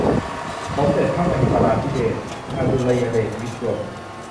สมเด็จพระมหิตลาธิเบศร์ อดุลยเดชวิกรม